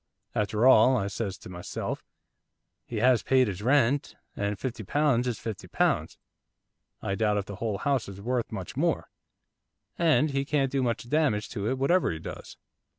"After all," I says to myself, "he has paid his rent, and fifty pounds is fifty pounds, I doubt if the whole house is worth much more, and he can't do much damage to it whatever he does."